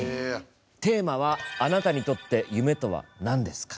テーマは「あなたにとって夢とは何ですか？」。